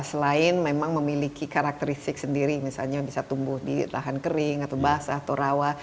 selain memang memiliki karakteristik sendiri misalnya bisa tumbuh di lahan kering atau basah atau rawa